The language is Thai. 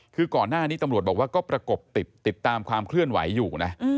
คือก่อนหน้านี้ตำรวจบอกว่าก็ประกบติดติดตามความเคลื่อนไหวอยู่นะ